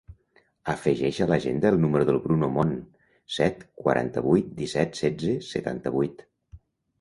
Afegeix a l'agenda el número del Bruno Mon: set, quaranta-vuit, disset, setze, setanta-vuit.